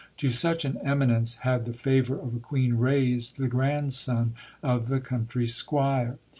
To such an eminence had the favour of a Queen raised the grandson of the "country squire."